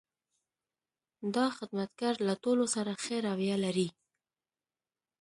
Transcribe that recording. دا خدمتګر له ټولو سره ښه رویه لري.